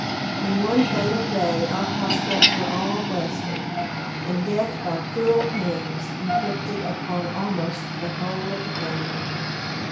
In one fatal day our prospects were all blasted; and death, by cruel hands, inflicted upon almost the whole of the family.